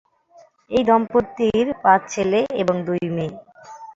এই দম্পতির পাঁচ ছেলে এবং দুই মেয়ে।